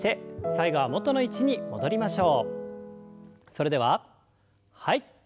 それでははい。